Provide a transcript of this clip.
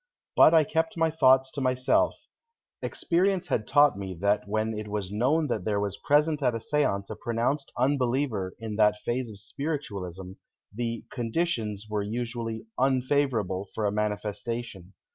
But I kept my thoughts to myself experience had taught me that when it was known that there was present at a séance a pronounced unbeliever in that phase of Spiritualism, the "conditions" were usually "unfavorable" for a "manifestation."